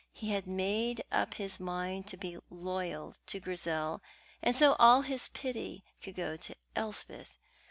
He had made up his mind to be loyal to Grizel, and so all his pity could go to Elspeth.